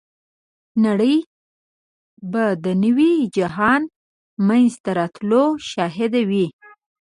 نړۍ به د نوي جهان منځته راتلو شاهده وي.